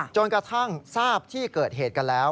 จนกระทั่งทราบที่เกิดเหตุกันแล้ว